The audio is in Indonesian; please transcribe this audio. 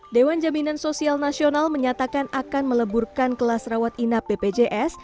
dewan jaminan sosial nasional menyatakan akan meleburkan kelas rawat inap bpjs